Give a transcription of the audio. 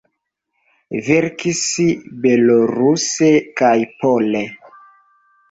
Verkis beloruse kaj pole.